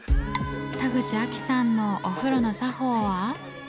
田口亜希さんのお風呂の作法は。